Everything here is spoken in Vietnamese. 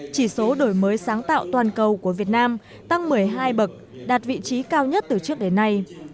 chỉ số đổi mới sáng tạo toàn cầu của việt nam tăng một mươi hai bậc đạt vị trí cao nhất từ trước đến nay